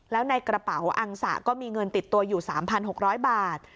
แล้วในกระเป๋าอังสะก็มีเงินติดตัวอยู่๓๖๐๐บาท